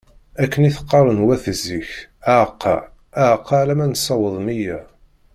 Akken i t-qqaren wat zik:Aɛeqqa, aɛeqqa alamma nessaweḍ meyya.